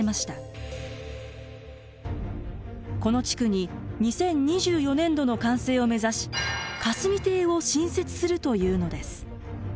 この地区に２０２４年度の完成を目指し霞堤を新設するというのです。